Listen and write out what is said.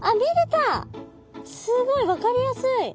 すごい分かりやすい。